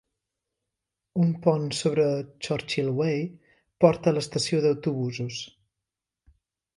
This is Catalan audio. Un pont sobre Churchill Way porta a l'estació d'autobusos.